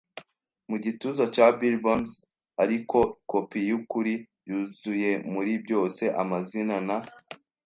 mu gituza cya Billy Bones, ariko kopi yukuri, yuzuye muri byose - amazina na